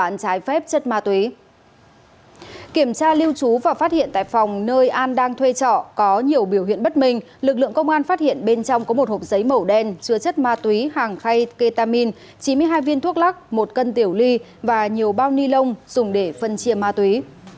lực lượng công an phát hiện bên trong có một hộp giấy màu đen chứa chất ma túy hàng khay ketamin chín mươi hai viên thuốc lắc một cân tiểu ly và nhiều bao ni lông dùng để phân chia ma túy